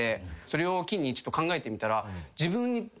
それを機に考えてみたら。